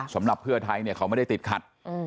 สำหรับเพื่อไทยเนี่ยเขาไม่ได้ติดขัด